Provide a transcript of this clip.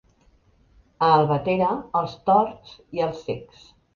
A Albatera, els torts i els cecs.